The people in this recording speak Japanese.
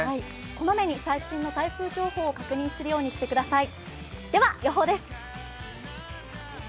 小まめに最新の台風情報を確認するようにしてください。